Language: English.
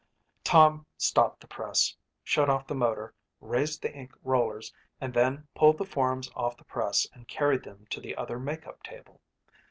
Tom stopped the press, shut off the motor, raised the ink rollers and then pulled the forms off the press and carried them to the other makeup table.